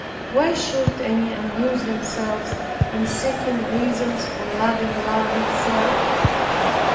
Why should any amuse themselves, in seeking reasons for loving Love itself?